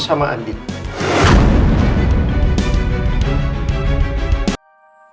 saya yang ngasih ikatan kepad weapons kepad ku